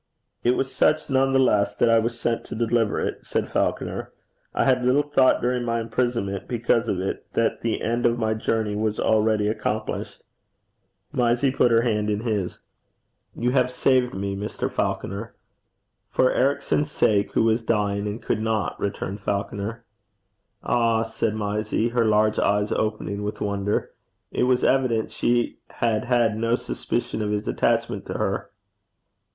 'It was such none the less that I was sent to deliver it,' said Falconer. 'I little thought during my imprisonment because of it, that the end of my journey was already accomplished.' Mysie put her hand in his. 'You have saved me, Mr. Falconer.' 'For Ericson's sake, who was dying and could not,' returned Falconer. 'Ah!' said Mysie, her large eyes opening with wonder. It was evident she had had no suspicion of his attachment to her.